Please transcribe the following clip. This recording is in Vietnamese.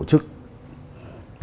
kiểm tra hành chính